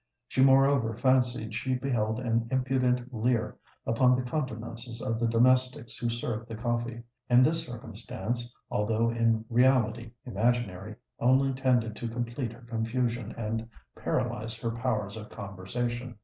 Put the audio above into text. She moreover fancied she beheld an impudent leer upon the countenances of the domestics who served the coffee; and this circumstance, although in reality imaginary, only tended to complete her confusion and paralyse her powers of conversation.